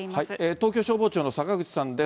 東京消防庁の坂口さんです。